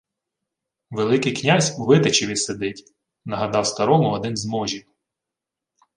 — Великий князь у Витичеві сидить, — нагадав старому один з можів.